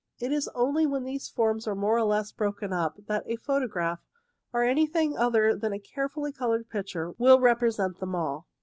It is only when these forms are more or less broken up that a photograph, or a'nything other than a carefully coloured picture, will represent them at all.